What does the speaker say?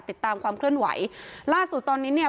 ติดตามความเคลื่อนไหวล่าสุดตอนนี้เนี่ย